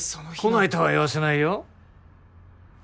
来ないとは言わせないよ。